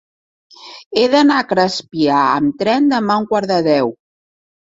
He d'anar a Crespià amb tren demà a un quart de deu.